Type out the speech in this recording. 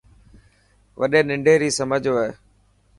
وڏي ننڊي ري سمجهه هوئي.